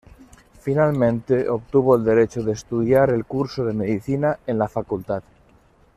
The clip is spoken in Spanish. Finalmente obtuvo el derecho de estudiar el curso de medicina en la facultad.